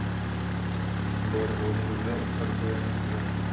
Bor velmi dobře absorbuje neutrony.